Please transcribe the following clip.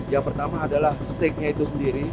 yang pertama adalah steak nya itu sendiri